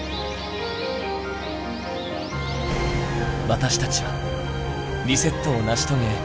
私たちはリセットを成し遂げ